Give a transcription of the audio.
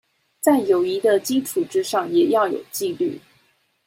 在友誼的基礎之上也要有紀律